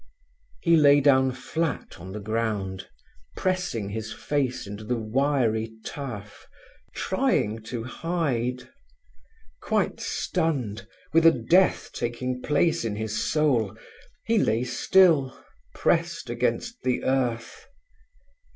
He lay down flat on the ground, pressing his face into the wiry turf, trying to hide. Quite stunned, with a death taking place in his soul, he lay still, pressed against the earth.